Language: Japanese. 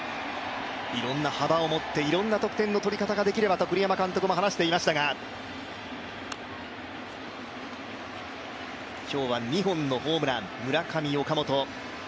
いろんな幅を持っていろんな点の取り方をできればと栗山監督も話していましたが、今日は２本のホームラン、村上、岡本。